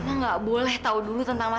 sangat mimpi jangan kekutuk